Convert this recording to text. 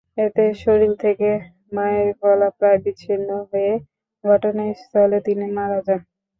এতে শরীর থেকে মায়ের গলা প্রায় বিচ্ছিন্ন হয়ে ঘটনাস্থলে তিনি মারা যান।